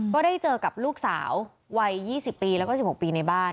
ก็ได้เจอกับลูกสาววัย๒๐ปีแล้วก็๑๖ปีในบ้าน